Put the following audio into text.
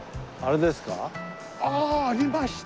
ああありました。